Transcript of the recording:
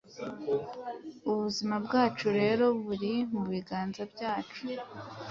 Ubuzima bwacu rero buri mu biganza byacu.